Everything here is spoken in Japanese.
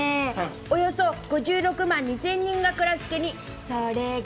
およそ５６万２０００人が暮らす国、それが。